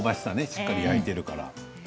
しっかり焼いてるから。